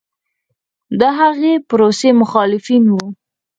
د هغې پروسې مخالفین و